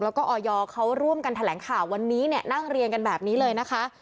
แล้วก็ออยเขาร่วมกันแถลงข่าววันนี้เนี่ยนั่งเรียงกันแบบนี้เลยนะคะ